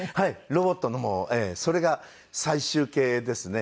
ロボットのもそれが最終形ですね。